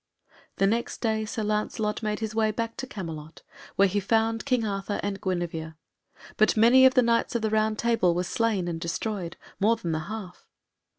The next day Sir Lancelot made his way back to Camelot, where he found King Arthur and Guenevere; but many of the Knights of the Round Table were slain and destroyed, more than the half.